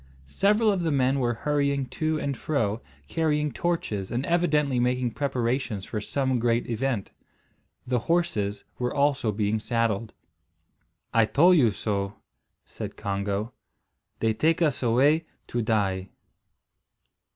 Several of the men were hurrying to and fro carrying torches and evidently making preparations for some great event. The horses were also being saddled. "I tole you so," said Congo. "They take us away to die."